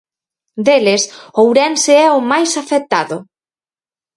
Deles, Ourense é o máis afectado.